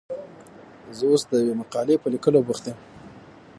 زه اوس د یوې مقالې په لیکلو بوخت یم.